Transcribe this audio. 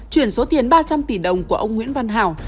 chuyển số tiền ba trăm linh tỷ đồng của ông nguyễn văn hảo